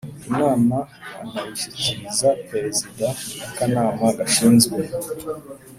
inama anayishyikiriza perezida w'akanama gashinzwe